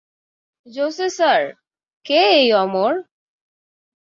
Jose sir, কে এই অমর?